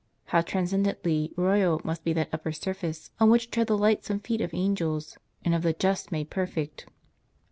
How transcendently royal must be that upper surface, on which tread the lightsome feet of angels, and of the just made perfect